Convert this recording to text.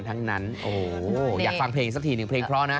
อยากฟังเพลงเพลงพร้อมนะ